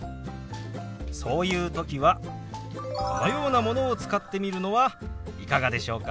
そういう時はこのようなものを使ってみるのはいかがでしょうか。